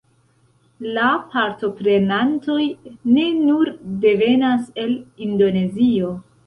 La partoprenantoj ne nur devenas el Indonezio